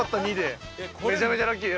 めちゃめちゃラッキー。